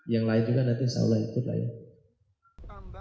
yang lain juga nanti insya allah ikut lain